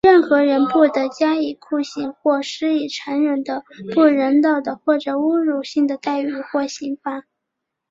任何人不得加以酷刑,或施以残忍的、不人道的或侮辱性的待遇或刑罚。